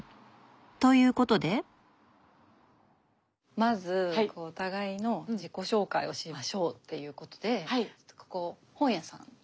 まずお互いの自己紹介をしましょうということでここ本屋さんで制限時間５分で。